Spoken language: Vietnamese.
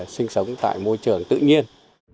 sinh sống tại môi trường tự nhiên